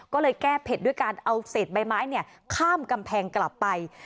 ก็เลยแก้เผ็ดด้วยการเอาเศษใบไม้ข้ามกำแพงกลับไป